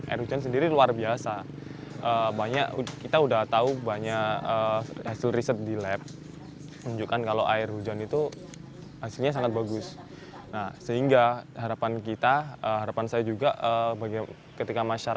air hujan itu berarti luar biasa